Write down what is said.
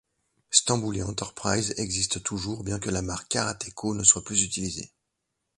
Stambouli Enterprises existe toujours, bien que la marque Karateco ne soit plus utilisée.